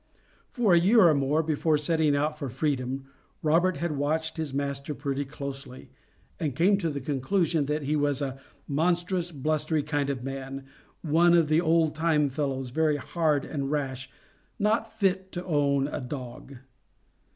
For a year or more before setting out for freedom, Robert had watched his master pretty closely, and came to the conclusion, that he was "a monstrous blustery kind of a man; one of the old time fellows, very hard and rash not fit to own a dog."